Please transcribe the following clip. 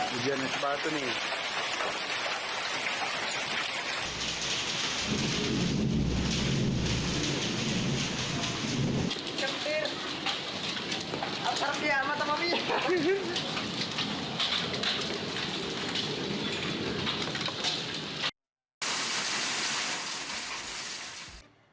hujannya cepat tuh nih